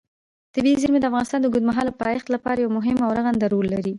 طبیعي زیرمې د افغانستان د اوږدمهاله پایښت لپاره یو مهم او رغنده رول لري.